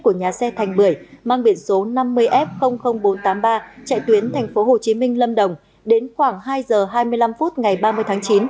của nhà xe thành bưởi mang biển số năm mươi f bốn trăm tám mươi ba chạy tuyến thành phố hồ chí minh lâm đồng đến khoảng hai giờ hai mươi năm phút ngày ba mươi tháng chín